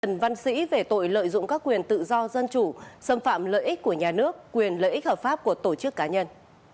trần văn sĩ về tội lợi dụng các quyền tự do dân chủ xâm phạm lợi ích của nhà nước quyền lợi ích hợp pháp của tổ chức cá nhân